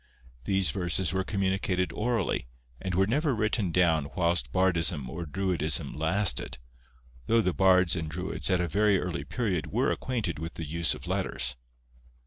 These verses were communicated orally, and were never written down whilst bardism or druidism lasted, though the bards and druids at a very early period were acquainted with the use of letters.